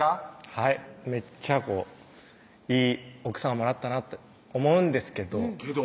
はいめっちゃいい奥さんをもらったなって思うんですけどけど？